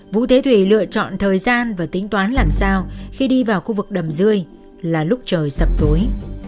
vũ thế thủy lựa chọn thời gian và tính toán làm sao khi đi vào khu vực đầm rơi là lúc trời sập tối